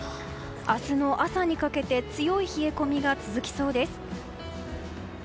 明日の朝にかけて強い冷え込みが続きそうです。